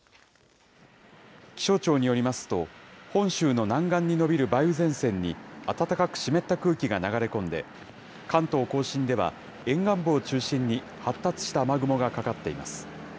気象庁によりますと、本州の南岸に伸びる梅雨前線に、暖かく湿った空気が流れ込んで、関東甲信では、沿岸部を中心に発達した雨雲がかかっています。